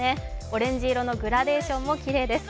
オレンジ色のグラデーションもきれいです。